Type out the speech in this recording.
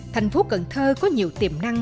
thành phố cần thơ có nhiều tiềm năng